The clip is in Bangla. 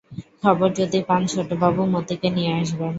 খবর যদি পান ছোটবাবু, মতিকে নিয়ে আসবেন।